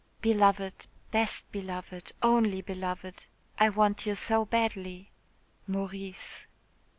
"Beloved, best beloved, only beloved, I want you so badly. "MAURICE.